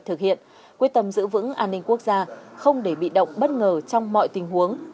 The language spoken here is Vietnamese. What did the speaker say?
thực hiện quyết tâm giữ vững an ninh quốc gia không để bị động bất ngờ trong mọi tình huống